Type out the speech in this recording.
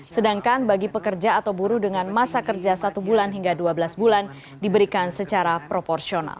sedangkan bagi pekerja atau buruh dengan masa kerja satu bulan hingga dua belas bulan diberikan secara proporsional